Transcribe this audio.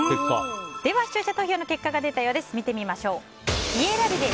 では視聴者投票の結果が出たようです。